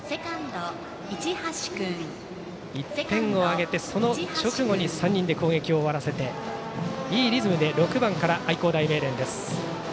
１点を挙げて、その直後に３人で攻撃を終わらせていいリズムで６番から愛工大名電です。